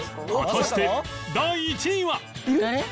果たして第１位は？